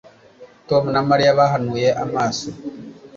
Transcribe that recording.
Tom na Mariya bahanuye amaso